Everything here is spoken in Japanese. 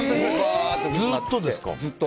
ずっとですか？